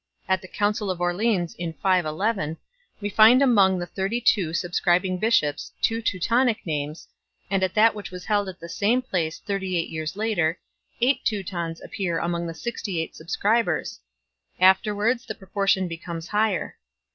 At the Council of Orleans in 511 we find among the thirty two subscribing bishops two Teutonic names, and at that which was held at the same place thirty eight years later eight Teutons appear among the sixty eight sub scribers 2 ; afterwards the proportion becomes higher.